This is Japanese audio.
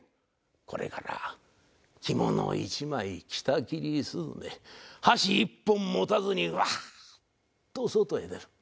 これから着物を一枚着たきり雀箸一本持たずにワーッと外へ出る。